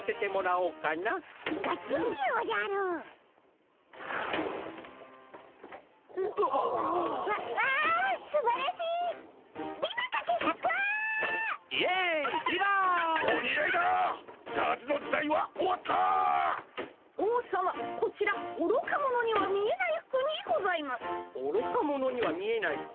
おろか者には見えない服？